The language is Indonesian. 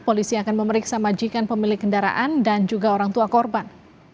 polisi akan memeriksa majikan pemilik kendaraan dan juga orang tua korban